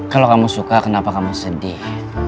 kalau kamu suka kenapa kamu sedih